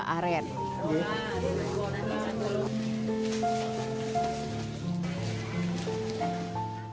ini adalah sebuah arem